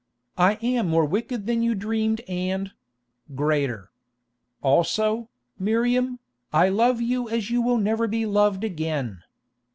I am more wicked than you dreamed and—greater. Also, Miriam, I love you as you will never be loved again.